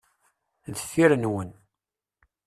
Deffir nwen.